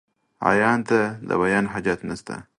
عيان ته ، د بيان حاجت نسته.